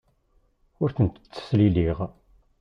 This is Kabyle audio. Ur tent-ttesliliɣ.